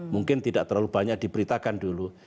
mungkin tidak terlalu banyak diberitakan dulu